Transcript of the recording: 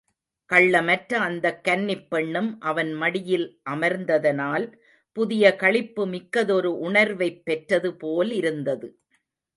கள்ளமற்ற அந்தக் கன்னிப் பெண்ணும் அவன் மடியில் அமர்ந்ததனால் புதிய களிப்பு மிக்கதொரு உணர்வைப் பெற்றது போலிருந்தது.